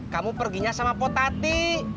kamu perginya sama potati